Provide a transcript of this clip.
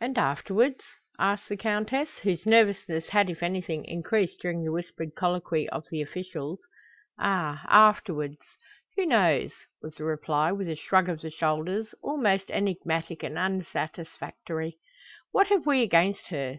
"And afterwards?" asked the Countess, whose nervousness had if anything increased during the whispered colloquy of the officials. "Ah, afterwards! Who knows?" was the reply, with a shrug of the shoulders, all most enigmatic and unsatisfactory. "What have we against her?"